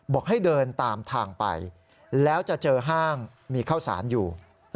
บอกให้เดินตามทางไปแล้วจะเจอห้างมีข้าวสารอยู่